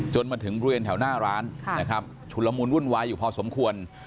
จนมาถึงเรือนแถวหน้าร้านนะครับฉุนละมูลรุ่นวายอยู่พอสมควร